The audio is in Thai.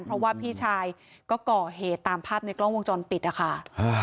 เพราะว่าพี่ชายก็ก่อเหตุตามภาพในกล้องวงจรปิดนะคะ